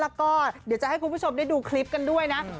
แล้วก็เดี๋ยวจะให้คุณผู้ชมได้ดูคลิปกันด้วยนะ